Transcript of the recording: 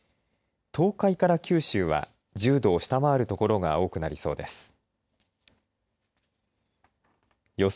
東海から九州は１０度を下回る所が多くなりそうです。